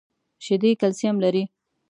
شیدې کلسیم لري .